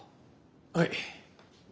はい。